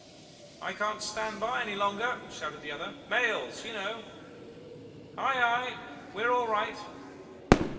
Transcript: "'I can't stand by any longer,' shouted the other. 'Mails you know.' "'Ay! ay! We are all right.